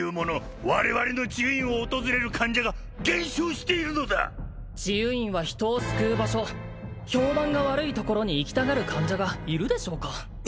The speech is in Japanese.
我々の治癒院を訪れる患者が減少しているのだ治癒院は人を救う場所評判が悪いところに行きたがる患者がいるでしょうか